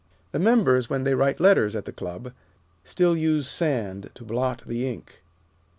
The members, when they write letters at the Club, still use sand to blot the ink.